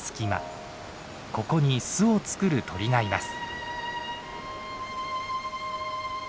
ここに巣を作る鳥がいます。